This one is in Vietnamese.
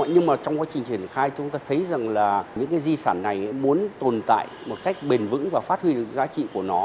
nhưng trong quá trình triển khai chúng ta thấy rằng những di sản này muốn tồn tại một cách bền vững và phát huy được giá trị của nó